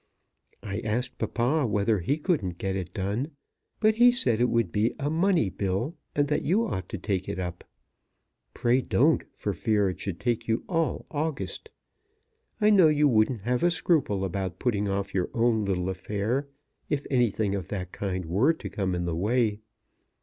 I asked papa whether he couldn't get it done; but he said it would be a money bill, and that you ought to take it up. Pray don't, for fear it should take you all August. I know you wouldn't have a scruple about putting off your own little affair, if anything of that kind were to come in the way.